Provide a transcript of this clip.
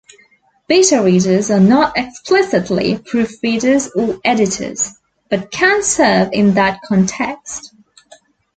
Beta readers are not explicitly proofreaders or editors, but can serve in that context.